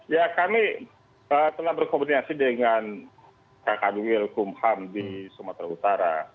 ya kami telah berkomunikasi dengan kakadu wilkum ham di sumatera utara